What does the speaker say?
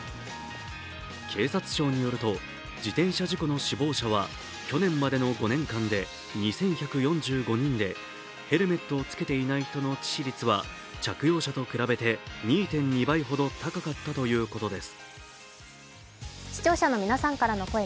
警察庁によると、自転車事故の死亡者は去年までの５年間で２１４５人でヘルメットを着けていない人の致死率は着用者と比べて２．２倍ほど高かったということです。